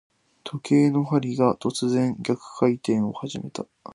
時計の針が、突然逆回転を始めた。